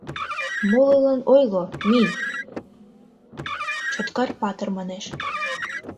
Молылан ойло, мий!» Чоткар-патыр манеш